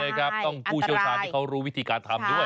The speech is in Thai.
ไม่ได้อันตรายต้องผู้เชี่ยวชาญที่เขารู้วิธีการทานด้วย